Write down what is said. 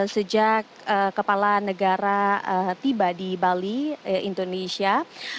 sejak kepala negara tiba di bali indonesia